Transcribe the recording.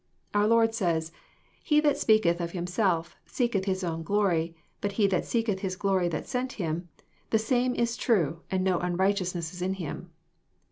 Our Lord says, *' He that speaketh of himself seeketh his own glory ; but he that seeketh His glory that sent him, the same is true, and no unrighteousness is in him.